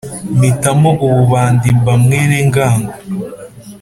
mpitamo ububandi mba mwenengango